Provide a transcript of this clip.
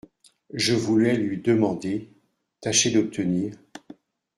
Je voulais lui demander… tâcher d’obtenir…